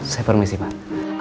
saya permisi pak